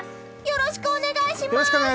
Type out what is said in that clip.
よろしくお願いします！